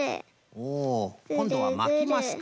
おこんどはまきますか。